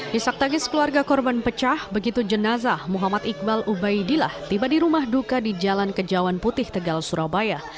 hisak tagis keluarga korban pecah begitu jenazah muhammad iqbal ubaidillah tiba di rumah duka di jalan kejawan putih tegal surabaya